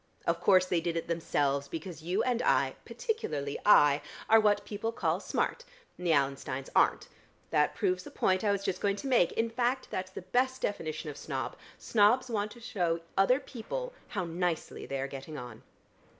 Of course they did it themselves, because you and I particularly I are what people call smart, and the Allensteins aren't. That proves the point I was just going to make: in fact, that's the best definition of snob. Snobs want to show other people how nicely they are getting on."